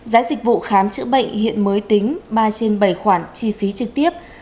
giá dịch vụ khám chữa bệnh hiện mới tính ba trên bảy khoản chi phí trực tiếp